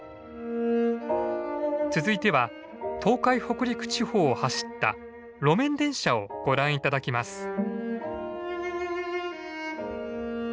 続いては東海北陸地方を走った路面電車をご覧頂きます。